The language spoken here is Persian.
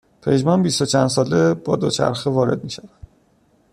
پژمان بیست و چند ساله با دوچرخه وارد میشود